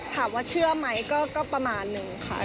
ถามว่าเชื่อไหมก็ประมาณนึงค่ะ